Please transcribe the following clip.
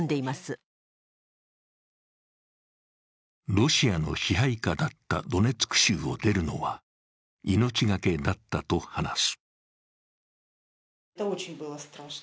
ロシアの支配下だったドネツク州を出るのはがけだったと話す。